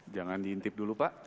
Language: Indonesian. jangan diintip dulu pak